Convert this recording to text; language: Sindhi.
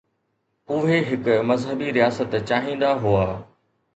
اهي هڪ مذهبي رياست چاهيندا هئا؟